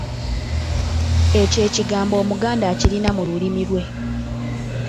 Ekyo ekigmbo Omuganda akirina mu lulimi lwe.